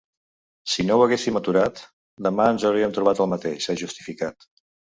Si no ho haguéssim aturat, demà ens hauríem trobat el mateix, ha justificat.